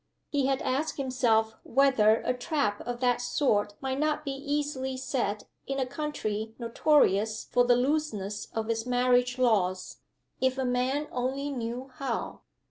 He had asked himself whether a trap of that sort might not be easily set in a country notorious for the looseness of its marriage laws if a man only knew how?